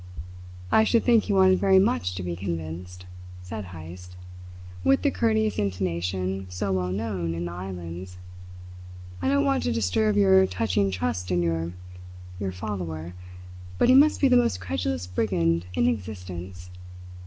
"I should think he wanted very much to be convinced," said Heyst, with the courteous intonation so well known in the Islands. "I don't want to disturb your touching trust in your your follower, but he must be the most credulous brigand in existence.